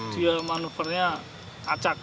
dia manuvernya acak